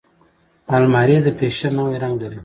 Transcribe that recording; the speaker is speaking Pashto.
الماري د فیشن نوی رنګ لري